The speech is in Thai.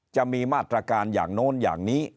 จะมีมาตรการอย่างโน้นอย่างนี้